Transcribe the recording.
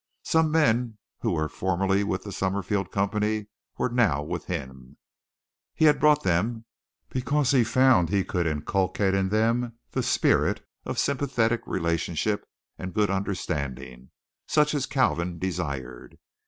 Some men who were formerly with the Summerfield Company were now with him. He had brought them because he found he could inculcate in them the spirit of sympathetic relationship and good understanding such as Kalvin desired.